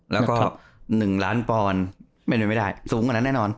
แล้วก็๑ล้านปอนด์เป็นไม่ได้สูงกว่านั้นแน่นอน